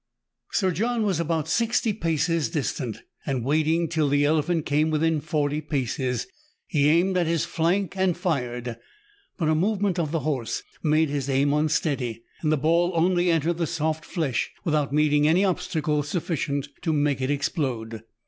Sir John was about sixty paces distant ; and waiting till the elephant came within forty paces, he aimed at his flank and fired. But a movement of the horse made his aim unsteady, and the ball only entered the soft flesh without meeting any obstacle sufficient to make it explode.